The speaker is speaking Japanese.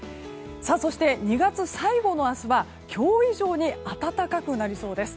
そして、２月最後の明日は今日以上に暖かくなりそうです。